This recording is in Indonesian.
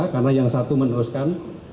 karena yang satu meneruskan